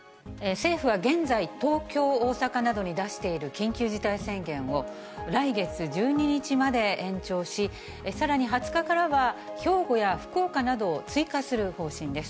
政府は現在、東京、大阪などに出している緊急事態宣言を来月１２日まで延長し、さらに２０日からは兵庫や福岡などを追加する方針です。